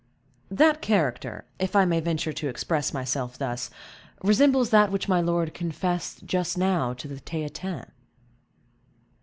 "That character, if I may venture to express myself thus, resembles that which my lord confessed just now to the Theatin."